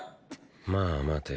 まぁ待て。